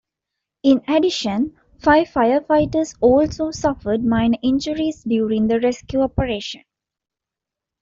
In addition, five firefighters also suffered minor injuries during the rescue operation.